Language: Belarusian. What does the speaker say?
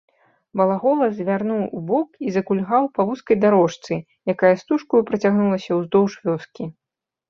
Балагола звярнуў убок і закульгаў па вузкай дарожцы, якая стужкаю працягнулася ўздоўж вёскі.